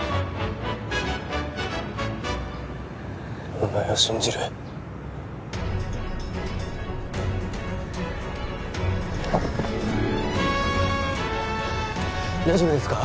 お前を信じる大丈夫ですか？